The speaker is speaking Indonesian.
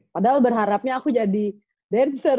padahal berharapnya aku jadi dancer